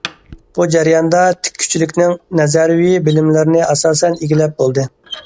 بۇ جەرياندا تىككۈچىلىكنىڭ نەزەرىيەۋى بىلىملىرىنى ئاساسەن ئىگىلەپ بولدى.